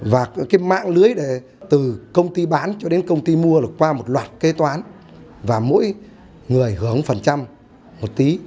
và cái mạng lưới từ công ty bán cho đến công ty mua là qua một loạt kế toán và mỗi người hưởng phần trăm một tí